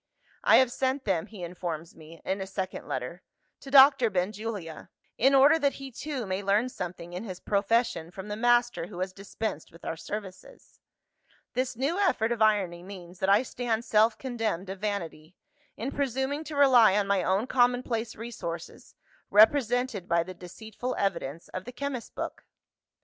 'I have sent them, (he informs me, in a second letter) to Doctor Benjulia; in order that he too may learn something in his profession from the master who has dispensed with our services.' This new effort of irony means that I stand self condemned of vanity, in presuming to rely on my own commonplace resources represented by the deceitful evidence of the chemist's book!